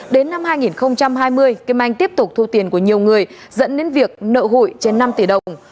đến năm hai nghìn hai mươi kim anh tiếp tục thu tiền của nhiều người dẫn đến việc nợ hụi trên năm tỷ đồng